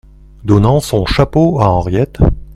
Donnant son chapeau à Henriette.